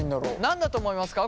何だと思いますか？